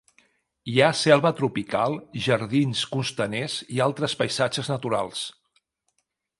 Hi ha selva tropical, jardins costaners i altres paisatges naturals.